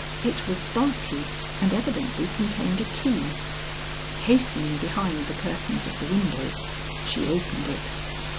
It was bulky and evidently contained a key. Hastening behind the curtains of the window, she opened it.